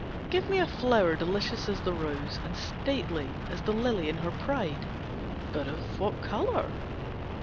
"Give me a flower delicious as the rose And stately as the lily in her pride" "But of what colour?"